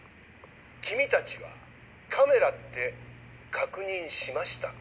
君たちはカメラって確認しましたか？